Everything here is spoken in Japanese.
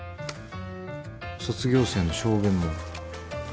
卒業生の証言も。